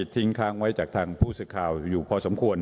ทิ้งค้างไว้จากทางผู้สื่อข่าวอยู่พอสมควร